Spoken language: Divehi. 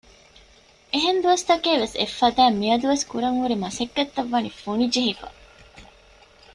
އެހެން ދުވަސް ތަކޭ އެއްފަދައިން މިއަދުވެސް ކުރަންހުރި މަސައްކަތްތައް ވަނީ ފުނި ޖެހިފަ